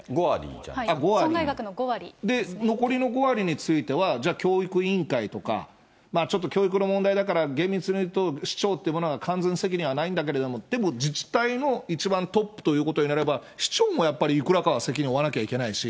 じゃあ残りの５割についてはじゃあ、教育委員会とかちょっと教育の問題だから厳密にいうと、市長っていうものが、完全責任はないんだけれども、でも自治体の一番トップということになれば、市長もやっぱりいくらかは責任負わなきゃいけないし。